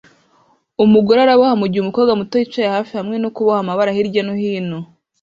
Umugore araboha mugihe umukobwa muto yicaye hafi hamwe no kuboha amabara hirya no hino